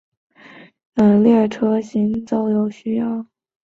另外亦有需要另加特别收费的优等列车行走。